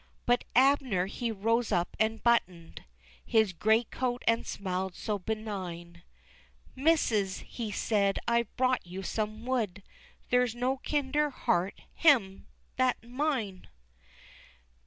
But Abner, he rose up and buttoned His great coat, and smiled so benign, "Missus," he said, "I've brought you some wood, There's no kinder heart hem! than mine."